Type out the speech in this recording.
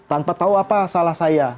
tanpa tahu apa salah saya